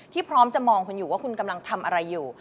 พร้อมจะมองคุณอยู่ว่าคุณกำลังทำอะไรอยู่